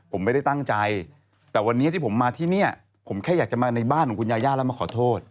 ผมไม่ได้ตั้งใจแต่วันนี้ที่ผมมาที่เนี่ยผมแค่อยากจะมาในบ้านของคุณยาย่าแล้วมาขอโทษ